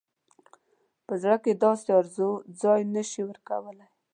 په زړه کې داسې آرزو ځای نه شي ورکولای.